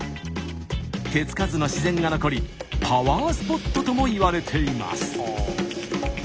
手付かずの自然が残りパワースポットともいわれています。